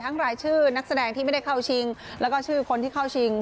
รายชื่อนักแสดงที่ไม่ได้เข้าชิงแล้วก็ชื่อคนที่เข้าชิง